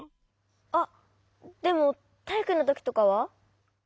あっでもたいいくのときとかは？